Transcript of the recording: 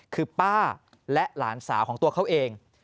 คือป้าและหลานสาวของตัวเขาเอง